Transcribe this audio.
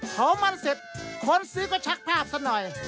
เขามันเสร็จคนซื้อก็ชักภาพซะหน่อย